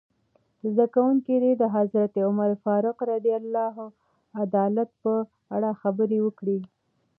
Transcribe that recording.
زده کوونکي دې د حضرت عمر فاروق رض عدالت په اړه خبرې وکړي.